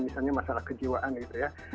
misalnya masalah kejiwaan gitu ya